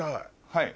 はい。